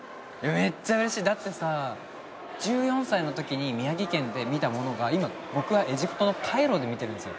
めっちゃ嬉しいだってさ１４歳の時に宮城県で見たものが今僕はエジプトのカイロで見てるんですよ